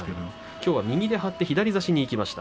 きょうは右で張って左差しにいきました。